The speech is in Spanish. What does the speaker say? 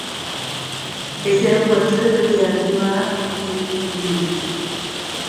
Este aeropuerto es de propiedad privada por Helen Bendigo.